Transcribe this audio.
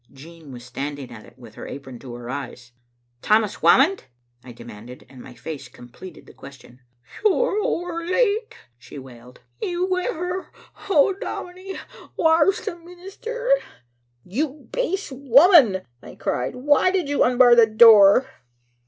Jean was standing at it with her apron to her eyes. "Tammas Whamond?" I demanded, and my face completed the question. "You're ower late," she wailed. "He's wi' her. Oh, dominie, whaur's the minister?" "You base woman!" I cried, "why did you unbar the door?"